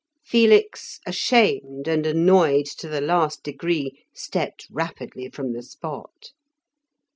Felix, ashamed and annoyed to the last degree, stepped rapidly from the spot.